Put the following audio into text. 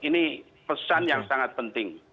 ini pesan yang sangat penting